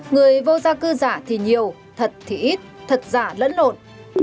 người vô gia cư giả thì nhiều thật thì ít thật giả lẫn lộn